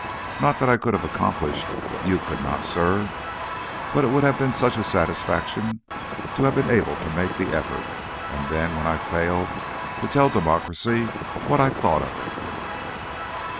"Not that I could have accomplished what you could not, sir, but it would have been such a satisfaction to have been able to make the effort, and then, when I failed, to tell democracy what I thought of it."